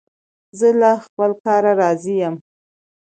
زه له خپل کار راضي یم.